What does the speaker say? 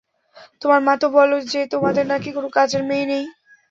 তোমার মা তো বলল যে তোমাদের নাকি কোনো কাজের মেয়েই নেই।